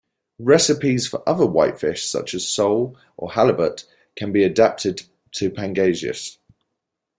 Recipes for other whitefish such as sole or halibut can be adapted to Pangasius.